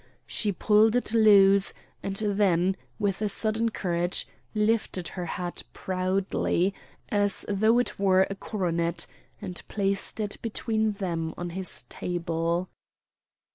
She pulled it loose, and then, with a sudden courage, lifted her hat proudly, as though it were a coronet, and placed it between them on his table.